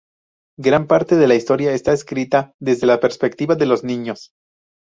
Gran parte de la historia está escrita desde la perspectiva de los niños.